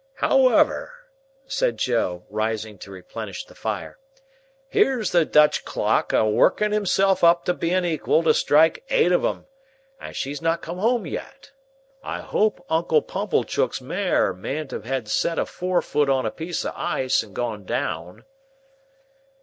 "However," said Joe, rising to replenish the fire; "here's the Dutch clock a working himself up to being equal to strike Eight of 'em, and she's not come home yet! I hope Uncle Pumblechook's mare mayn't have set a forefoot on a piece o' ice, and gone down."